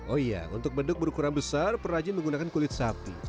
oh iya untuk beduk berukuran besar perajin menggunakan kulit sapi